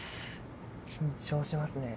緊張しますね